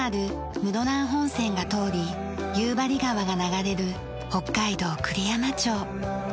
室蘭本線が通り夕張川が流れる北海道栗山町。